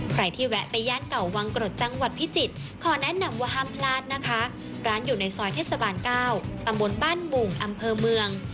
ใครที่แวะไปย่านเก่าวังกรดจังหวัดพิจิตรขอแนะนำว่าห้ามพลาดนะคะร้านอยู่ในซอยเทศบาลเก้าตำบลบ้านบุงอำเภอเมือง